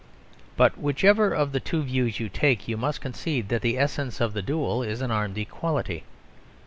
But whichever of the two views you take, you must concede that the essence of the duel is an armed equality.